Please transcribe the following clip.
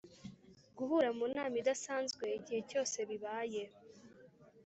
Guhura mu nama idasanzwe igihe cyose bibaye